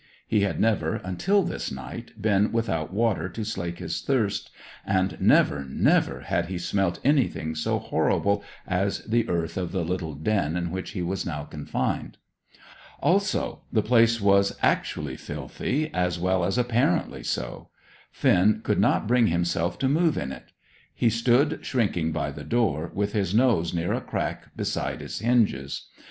He had never, until this night, been without water to slake his thirst; and never, never had he smelt anything so horrible as the earth of the little den in which he was now confined. Also, the place was actually filthy, as well as apparently so. Finn could not bring himself to move in it. He stood shrinking by the door, with his nose near a crack beside its hinges.